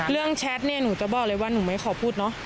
แชทเนี่ยหนูจะบอกเลยว่าหนูไม่ขอพูดเนอะ